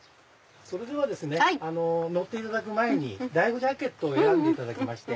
それでは乗っていただく前にライフジャケットを選んでいただきまして。